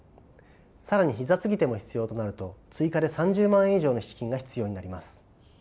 更に膝継手も必要となると追加で３０万円以上の資金が必要になります。